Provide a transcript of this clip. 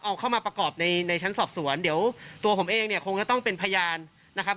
เอาเข้ามาประกอบในในชั้นสอบสวนเดี๋ยวตัวผมเองเนี่ยคงจะต้องเป็นพยานนะครับ